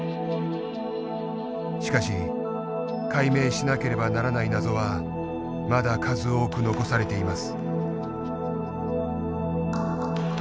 しかし解明しなければならない謎はまだ数多く残されています。